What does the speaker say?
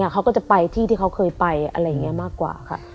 เขาก็จะไปที่ที่เขาเคยไปอะไรอย่างนี้มากกว่าค่ะ